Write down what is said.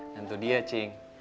tentu dia cing